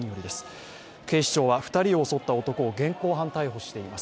警視庁は２人を襲った男を現行犯逮捕しています。